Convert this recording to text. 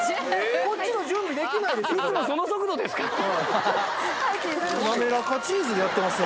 こっちの準備できないですよ。